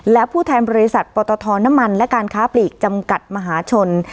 และผู้แทนบริษัทปตทน้ำมันและการค้าปลีกจำกัดมหาชน